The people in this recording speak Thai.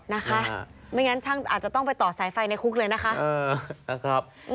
นะคะไม่งั้นช่างอาจจะต้องไปต่อสายไฟในคุกเลยนะคะ